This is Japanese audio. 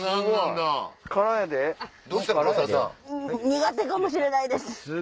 苦手かもしれないです。